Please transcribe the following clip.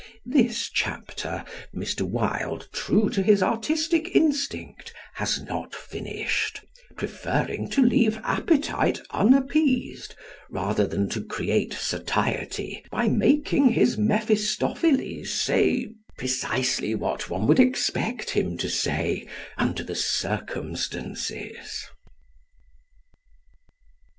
This chapter, Mr. Wilde, true to his artistic instinct, has not finished, preferring to leave appetite unappeased, rather than to create satiety by making his Mephistopheles say precisely what one would expect him to say under the circumstances.